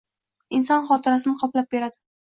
Inson xotirasin qoplab beradi.